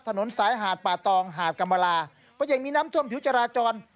ถนนสายหาดป่าตองหาดกรรมลาเพราะยังมีน้ำท่วมผิวจราจร